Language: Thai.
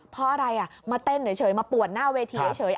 เพราะอะไรมาเต้นเฉยมาป่วนหน้าเวทีเฉย